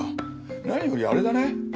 何よりあれだね。